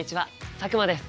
佐久間です。